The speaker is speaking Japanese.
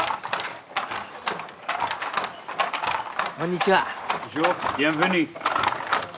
こんにちは。